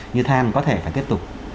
như thang có thể phải tiếp tục